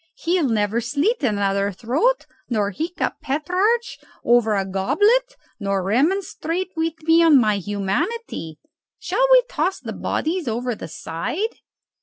He'll never slit another throat, nor hiccup Petrarch over a goblet nor remonstrate with me on my humanity. Shall we toss the bodies over the side?"